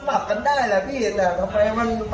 ฝากกันได้แหละพี่แล้วทำไมมันมันต้องเป็นอย่างงี้วะ